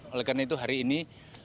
oleh karena itu hari ini